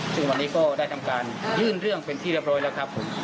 ซึ่งวันนี้ก็ได้ทำการยื่นเรื่องเป็นที่เรียบร้อยแล้วครับผม